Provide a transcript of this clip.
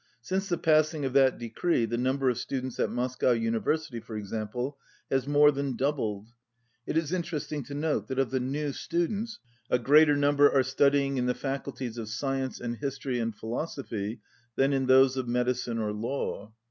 Since the passing of that decree the number of students at Moscow Uni versity, for example, has more than doubled. It, is interesting to notice that of the new students a greater number are studying in the faculties of science and history and philosophy than in those of medicine or law.